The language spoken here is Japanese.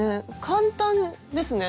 簡単ですね。